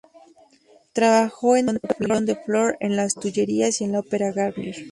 Trabajó en el "Pavillon de Flore" en las Tullerías y en la Ópera Garnier.